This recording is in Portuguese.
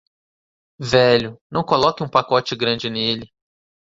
Velho, não coloque um pacote grande nele.